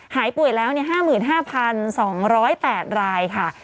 หายป่วยแล้ว๕๕๒๐๘รายค่ะ